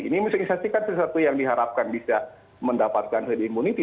ini misalnya kan sesuatu yang diharapkan bisa mendapatkan herd immunity